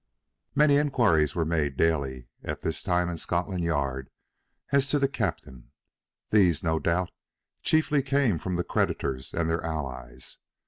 Many inquiries were made daily at this time in Scotland Yard as to the captain. These, no doubt, chiefly came from the creditors and their allies.